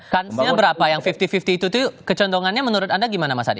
kansnya berapa yang fifty fifty itu tuh kecondongannya menurut anda gimana mas hadi